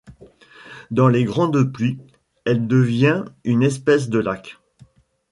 Dans les grandes pluies elle devient une espèce de lac.